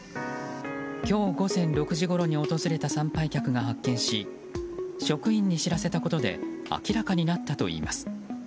今日午前６時ごろに訪れた参拝客が発見し職員に知らせたことで明らかになったといいます。